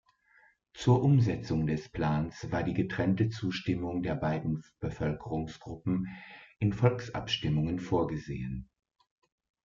Zur Umsetzung des Plans war die getrennte Zustimmung der beiden Bevölkerungsgruppen in Volksabstimmungen vorgesehen.